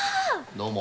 どうも。